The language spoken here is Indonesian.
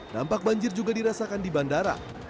dampak banjir juga dirasakan di bandara